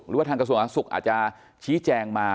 หรือว่าทางกระทรวงสาธารณสุขอาจจะชี้แจงมา